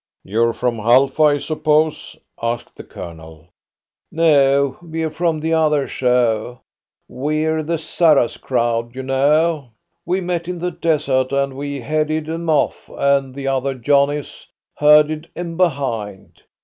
"You're from Halfa, I suppose?" asked the Colonel. "No, we're from the other show. We're the Sarras crowd, you know. We met in the desert, and we headed 'em off, and the other Johnnies herded 'em behind.